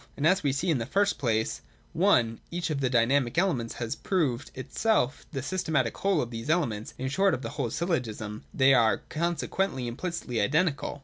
And, as we see, in the first place, (i) each of the dynamic elements has proved itself the systematic whole of these elements, in short a whole syllogism, — they are conse quently implicitly identical.